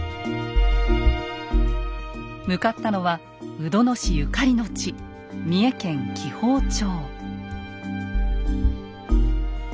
向かったのは鵜殿氏ゆかりの地三重県紀宝町。